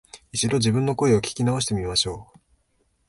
一度、自分の声を聞き直してみましょう